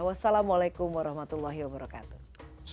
wassalamualaikum warahmatullahi wabarakatuh